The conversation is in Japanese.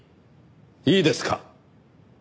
いいですか？